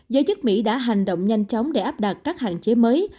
giới chức mỹ đã hành động nhanh chóng để áp đặt các hạn chế mới